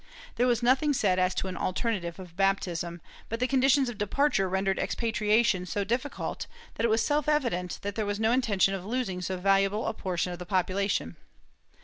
There was nothing said as to an alternative of baptism, but the conditions of departure rendered expatriation so difficult that it was self evident that there was no intention of losing so valuable a portion of the population.